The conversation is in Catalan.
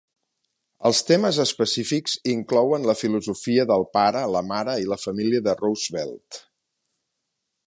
Els temes específics inclouen la filosofia del pare, la mare i la família de Roosevelt.